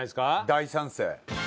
大賛成。